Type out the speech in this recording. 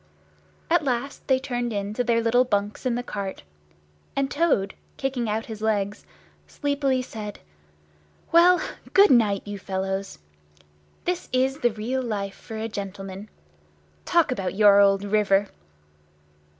At last they turned in to their little bunks in the cart; and Toad, kicking out his legs, sleepily said, "Well, good night, you fellows! This is the real life for a gentleman! Talk about your old river!"